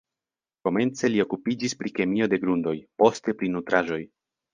Komence li okupiĝis pri kemio de grundoj, poste pri nutraĵoj.